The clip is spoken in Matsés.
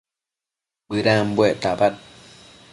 bëdambuec tabad